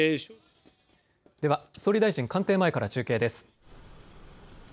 では総理大臣官邸前から中継です。